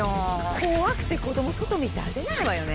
怖くて子供外に出せないわよね。